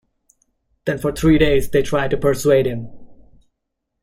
Then for three days they tried to persuade him.